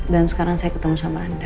dan sekarang saya ketemu sama anda